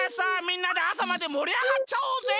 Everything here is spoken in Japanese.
みんなであさまでもりあがっちゃおうぜ！